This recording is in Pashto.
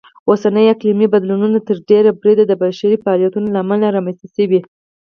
اوسني اقلیمي بدلونونه تر ډېره بریده د بشري فعالیتونو لهامله رامنځته شوي.